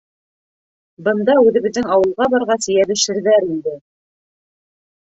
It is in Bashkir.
Бында үҙебеҙҙең ауылға барғас, йәбешерҙәр инде.